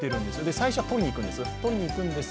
最初、取りに行くんです